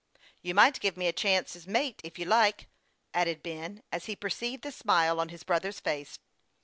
" You might give me a chance as mate, if you like," added Ben, as he perceived the smile on his brother's face.